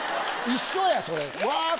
一緒やそれ。